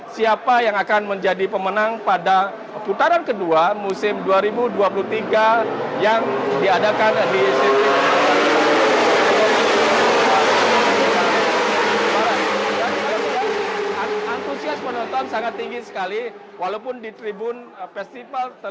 siapa yang akan menjadi pemenang pada putaran kedua